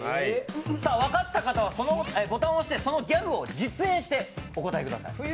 分かった方はボタンを押して、そのギャグを実演してお答えください。